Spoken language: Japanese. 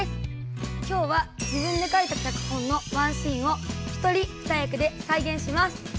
今日は自分で書いた脚本のワンシーンを一人二役でさいげんします。